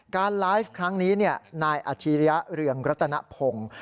การไลฟ์ครั้งนี้นายอาชิริยะเรืองรัตนพงศ์